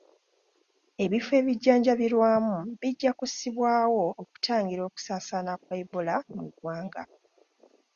Ebifo ebijjanjabirwamu bijja kussibwawo okutangira okusaasaana kwa Ebola mu ggwanga.